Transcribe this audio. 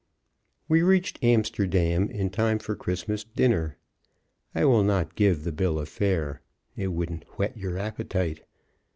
We reached Amsterdam in time for Christmas dinner. I will not give the bill of fare; it wouldn't whet your appetite.